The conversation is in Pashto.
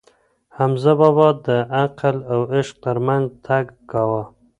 حمزه بابا د عقل او عشق ترمنځ تګ کاوه.